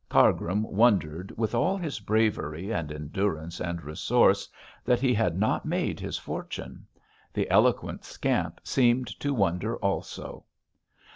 Cargrim wondered, with all his bravery, and endurance, and resource, that he had not made his fortune. The eloquent scamp seemed to wonder also.